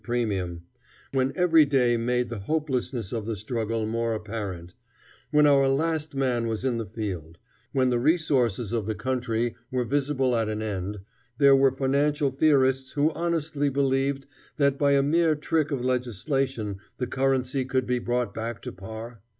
premium; when every day made the hopelessness of the struggle more apparent; when our last man was in the field; when the resources of the country were visibly at an end, there were financial theorists who honestly believed that by a mere trick of legislation the currency could be brought back to par?